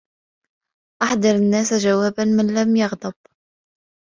أحضر الناس جوابا من لم يغضب